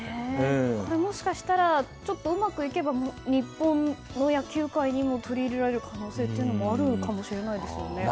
もしかしたら、うまくいけば日本の野球界にも取り入れられる可能性もあるかもしれないですね。